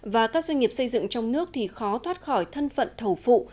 và các doanh nghiệp xây dựng trong nước thì khó thoát khỏi thân phận thầu phụ